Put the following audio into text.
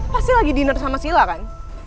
pasti lagi dinner sama sila kan